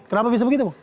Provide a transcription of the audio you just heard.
kenapa bisa begitu